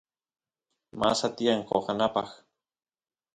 masa tiyan qoqanapaq